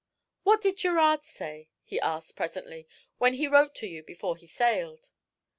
"What did Gerard say," he asked presently, "when he wrote to you before he sailed?"